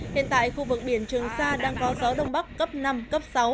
hiện tại khu vực biển trường sa đang có gió đông bắc cấp năm cấp sáu